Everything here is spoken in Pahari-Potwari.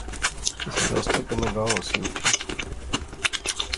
کسے دوستے کنے گا ہوسی اٹھی